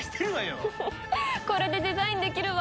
フフッこれでデザインできるわ。